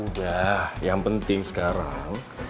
udah yang penting sekarang